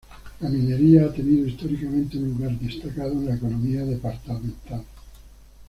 La minería ha tenido históricamente un lugar destacado en la economía departamental.